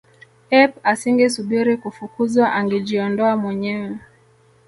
ep asingesubiri kufukuzwa angejiondoa mwenyewe